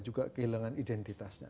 juga kehilangan identitasnya